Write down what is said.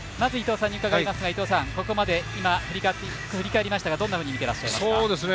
まず伊東さんに伺いますがここまで振り返りましたがどんなふうに見てらっしゃいますか？